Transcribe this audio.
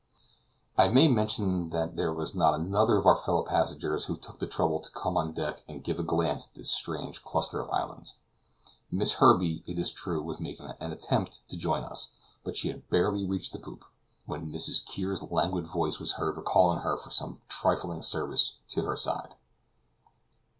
'" I may mention that there was not another of our fellow passengers who took the trouble to come on deck and give a glance at this strange cluster of islands. Miss Herbey, it is true, was making an attempt to join us, but she had barely reached the poop, when Mrs. Kear's languid voice was heard recalling her for some trifling service to her side.